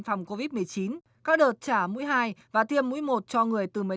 phòng covid một mươi chín các đợt trả mũi hai và tiêm mũi một cho người từ một mươi tám